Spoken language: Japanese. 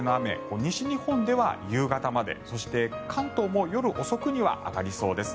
西日本では夕方までそして関東も夜遅くには上がりそうです。